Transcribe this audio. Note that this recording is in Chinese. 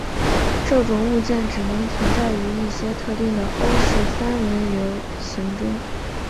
这种物件只能存在于一些特定的欧氏三维流形中。